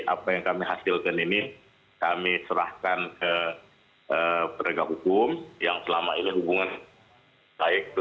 apa yang kami hasilkan ini kami serahkan ke penegak hukum yang selama ini hubungan baik